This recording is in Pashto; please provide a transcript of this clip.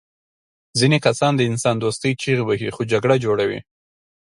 ځینې کسان د انسان دوستۍ چیغې وهي خو جګړه جوړوي